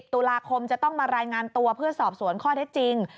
ตุลาคมจะต้องมารายงานตัวเพื่อสอบสวนข้อเท็จจริง